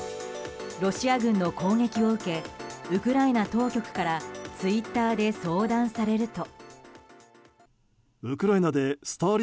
ロシア軍の攻撃を受けウクライナ当局からツイッターで相談されると。